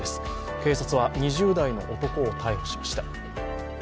警察は、２０代の男を逮捕しました。